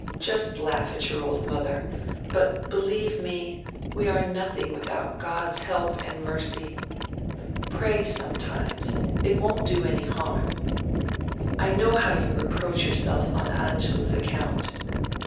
Just laugh at your old mother. But believe me, we are nothing without God's help and mercy. Pray sometimes. It won't do any harm. I know how you reproach yourself on Angèle's account.